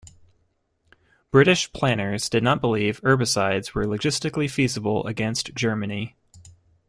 British planners did not believe herbicides were logistically feasible against Germany.